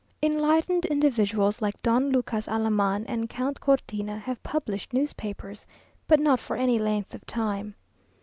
Enlightened individuals like Don Lucas Alaman and Count Cortina have published newspapers, but not for any length of time.